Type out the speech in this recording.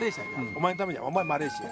お前のためにお前マレーシア。